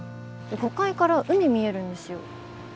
５階から海見えるんですよ。